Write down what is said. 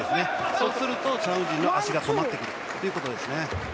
そうするとチャン・ウジンの足が止まってくるということですね。